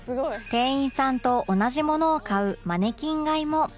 店員さんと同じものを買うマネキン買いも